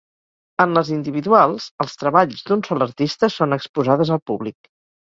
En les individuals els treballs d'un sol artista són exposades al públic.